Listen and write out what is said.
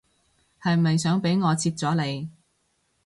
係咪想俾我切咗你